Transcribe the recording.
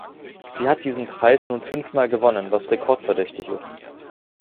Sie hat diesen Preis nun fünfmal gewonnen, was rekordverdächtig ist.